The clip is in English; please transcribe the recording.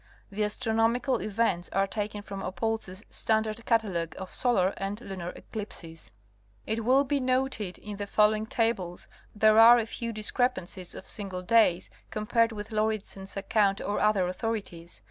The astro nomical events are taken from Oppolzer's standard catalogue of solar and lunar eclipses. VOl, LH. 10 144 National Geographic Magazine. It will be noted in the following tables there are a few discrep ancies of single days compared with Lauridsen's account or other authorities.